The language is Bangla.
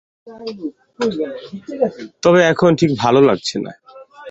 তবে এখন ঠিক ভালো লাগছে না।